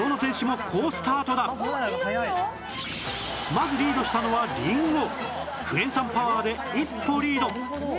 まずリードしたのはりんごクエン酸パワーで一歩リード